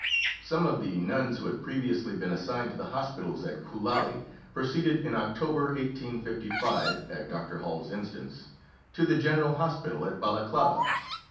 Some of the nuns who had previously been assigned to the hospitals at Koulali, proceeded in October 1855, at Dr. Hall's instance, to the General Hospital at Balaclava.